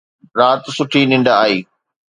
رات سٺي ننڊ آئي